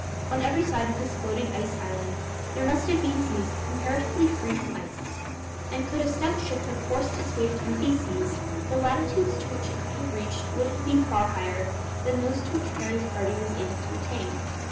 On every side of this floating ice island there must have been seas comparatively free from ice; and could a stout ship have forced its way through these seas, the latitudes to which it could have reached would have been far higher than those to which Parry's party was able to attain.